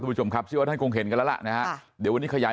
ดรครับซิลว่าท่านหรือเจอนกันน่ะล่ะนะฮะเดี๋ยววันนี้ขยาย